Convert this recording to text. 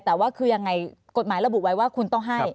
แต่กฏหมายระบุไว้ว่าคุณต้องให้